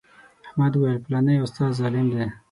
احمد ویل فلانی استاد ظالم دی.